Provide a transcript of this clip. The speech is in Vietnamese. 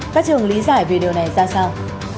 các trường lý giải về điều này ra sao